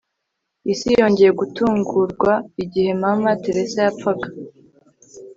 isi yongeye gutungurwa igihe mama teresa yapfaga